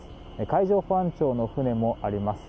海上保安庁の船もあります。